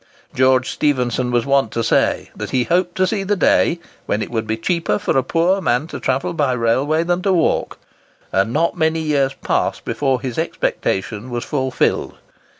George Stephenson was wont to say that he hoped to see the day when it would be cheaper for a poor man to travel by railway than to walk, and not many years passed before his expectation was fulfilled.